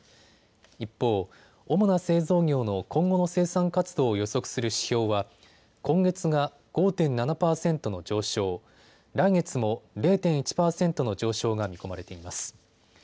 一方、主な製造業の今後の生産活動を予測する指標は今月が５．７％の上昇、来月も０．１％の上昇が見込まれています。